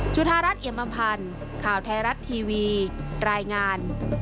จุธารัฐเอียมอำพันธ์ข่าวไทยรัฐทีวีรายงาน